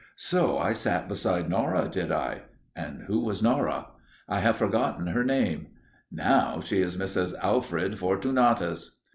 (So I sat beside Nora, did I? And who was Nora? I have forgotten her name! Now she is Mrs. Alfred Fortunatus!)